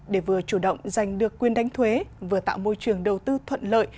để vừa chủ động giành được quyền đánh thuế vừa tạo môi trường đầu tư thuận lợi